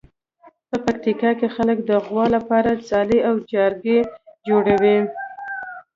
په پکتیکا کې خلک د غواوو لپاره څالې او جارګې جوړوي.